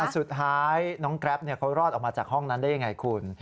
สุดท้ายน้องแกรปเขารอดออกมาจากห้องนั้นได้ยังไงคุณ